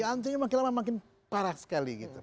antrinya makin lama makin parah sekali gitu